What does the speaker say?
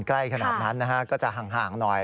ใกล้ขนาดนั้นก็จะหังหน่อย